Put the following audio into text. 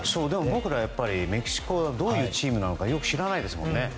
僕らはメキシコがどういうチームなのかよく知らないですもんね。